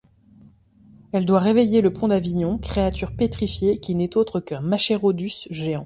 Elle doit réveiller le pont d'Avignon, créature pétrifiée qui n'est autre qu'un machairodus géant.